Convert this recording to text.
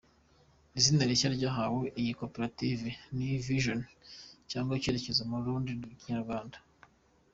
Izina rishya ryahawe iyi koperative ni “Vision” cyangwa icyerekezo mu rurimi rw’ikinyarwanda.